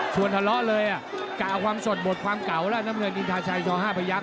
ส่วนทะเลาะเลยกะความสดบดความเก่าล่ะน้ำเงินดินทาชัยช๕ประยักษ์